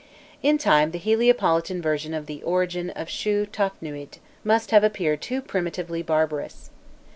In time the Heliopolitan version of the origin of Shû Tafnûît must have appeared too primitively barbarous.